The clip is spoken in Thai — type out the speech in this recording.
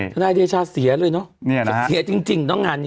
นายเดชาเสียเลยเนอะเสียจริงน้องงานนี้